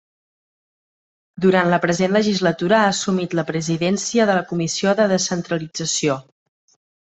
Durant la present legislatura ha assumit la Presidència de la Comissió de Descentralització.